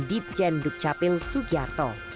dirjen dukcapil sugiarto